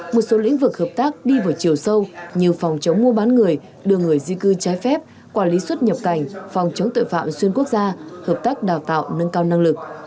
một số lĩnh vực hợp tác đi vào chiều sâu như phòng chống mua bán người đưa người di cư trái phép quản lý xuất nhập cảnh phòng chống tội phạm xuyên quốc gia hợp tác đào tạo nâng cao năng lực